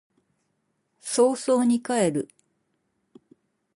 早々に帰る